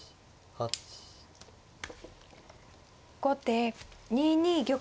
後手２二玉。